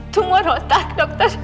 tumor otak dokter